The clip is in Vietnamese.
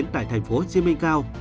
tại tp hcm cao